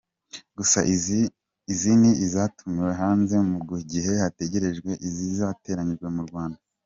Gusa izi ni izatumijwe hanze mu gihe hagitegerejwe izateranyirijwe mu Rwanda.